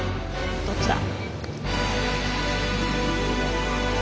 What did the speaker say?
どっちだ？